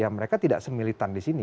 ya mereka tidak semilitan di sini